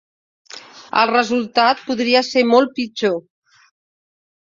El resultat podria ser molt pitjor.